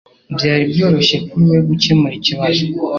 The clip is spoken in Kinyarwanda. Byari byoroshye kuri we gukemura ikibazo.